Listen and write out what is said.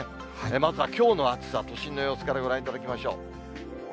まずはきょうの暑さ、都心の様子からご覧いただきましょう。